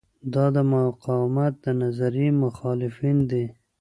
دا د مقاومت د نظریې مخالفین دي.